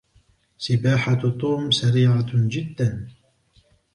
سباحة توم سريعة جداً.